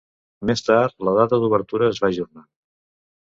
Més tard, la data d'obertura es va ajornar.